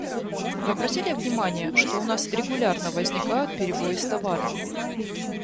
Вы обратили внимание, что у нас регулярно возникают перебои с товарами?